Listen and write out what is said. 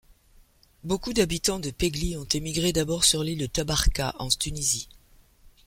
Beaucoup d'habitants de Pegli ont émigré d'abord sur l'île de Tabarka en Tunisie.